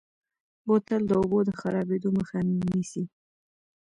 بوتل د اوبو د خرابېدو مخه نیسي.